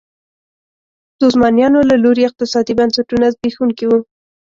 د عثمانیانو له لوري اقتصادي بنسټونه زبېښونکي وو.